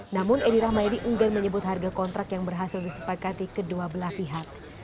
namun edi rahmayadi enggan menyebut harga kontrak yang berhasil disepakati kedua belah pihak